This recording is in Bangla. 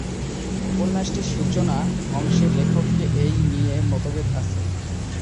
উপন্যাসটির সূচনা-অংশের লেখক কে এই নিয়ে মতভেদ আছে।